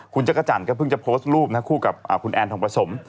คุณจักรจันทร์ก็เพิ่งจะโพสต์รูปคู่กับคุณแอนทองประสม